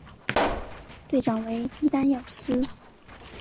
队长为伊丹耀司。